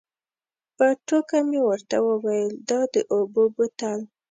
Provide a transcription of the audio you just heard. په ټوکه مې ورته وویل دا د اوبو بوتل.